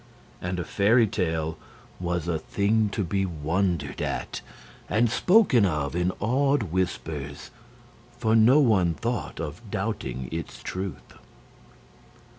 And a fairy tale was a thing to be wondered at and spoken of in awed whispers; for no one thought of doubting its truth.